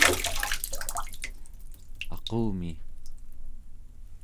aqumi!